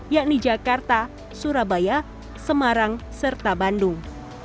yakni jakarta surabaya semarang serta bandung